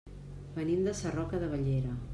Venim de Sarroca de Bellera.